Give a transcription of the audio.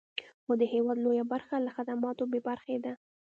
خو د هېواد لویه برخه له خدماتو بې برخې ده.